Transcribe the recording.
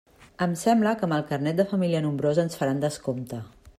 Em sembla que amb el carnet de família nombrosa ens faran descompte.